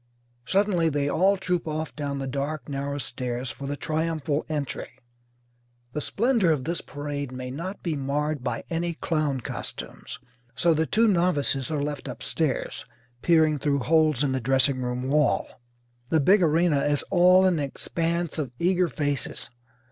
Suddenly they all troop off down the dark narrow stairs for the triumphal entry. The splendour of this parade may not be marred by any clown costumes, so the two novices are left upstairs, peering through holes in the dressing room wall. The big arena is all an expanse of eager faces.